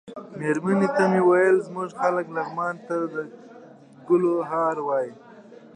مېرمنې ته مې ویل زموږ خلک لغمان ته د ګلو هار وايي.